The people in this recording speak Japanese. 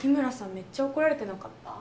めっちゃ怒られてなかった？